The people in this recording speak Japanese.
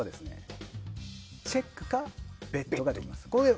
チェックかベットができます。